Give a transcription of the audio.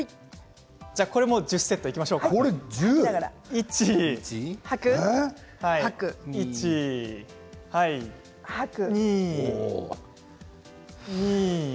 これも１０セットいきましょう吐く。